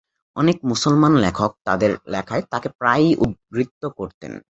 অনেক মুসলমান লেখক তাদের লেখায় তাকে প্রায়ই উদ্ধৃত করতেন।